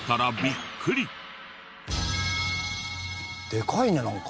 でかいねなんか。